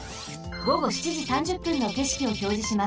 ごご７時３０分のけしきをひょうじします。